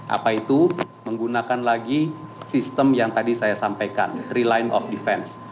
apa itu menggunakan lagi sistem yang tadi saya sampaikan reline of defense